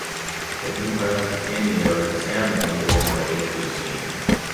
Peckinpah has a cameo as a sound man during an interview scene.